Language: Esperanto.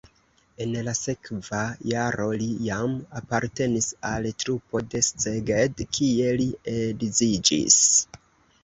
En la sekva jaro li jam apartenis al trupo de Szeged, kie li edziĝis.